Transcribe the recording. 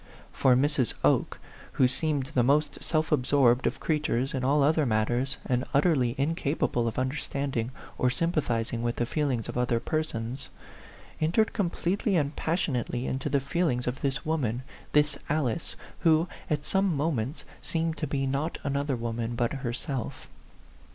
For Mrs. Oke, who seemed the most self absorbed of creatures in all other matters, and utterly in capable of understanding or sympathizing with the feelings of other persons, entered completely and passionately into the feelings 72 A PHANTOM LOVER of this woman, this Alice, who, at some mo ments, seemed to be not another woman, but herself.